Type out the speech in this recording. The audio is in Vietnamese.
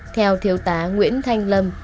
theo thiếu tá nguyễn thanh lâm